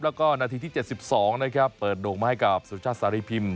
แล้วก็นาทีที่๗๒นะครับเปิดโด่งมาให้กับสุชาติสารีพิมพ